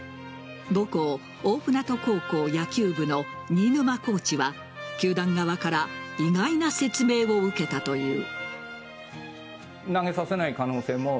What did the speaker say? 母校・大船渡高校野球部の新沼コーチは球団側から意外な説明を受けたという。